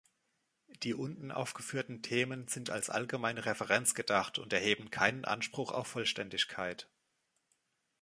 Die unten aufgeführten Themen sind als allgemeine Referenz gedacht und erheben keinen Anspruch auf Vollständigkeit.